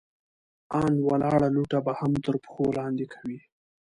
ان ولاړه لوټه به هم تر پښو لاندې کوئ!